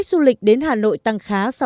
chúng tôi muốn thành phố mạnh mẽ